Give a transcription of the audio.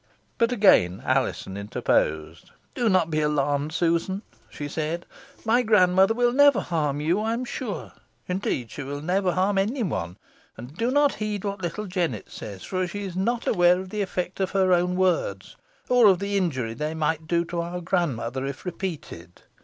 But again Alizon interposed. "Do not be alarmed, Susan," she said, "my grandmother will never harm you, I am sure; indeed, she will never harm any one; and do not heed what little Jennet says, for she is not aware of the effect of her own words, or of the injury they might do our grandmother, if repeated."